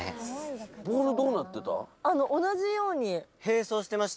ボールどうなってた？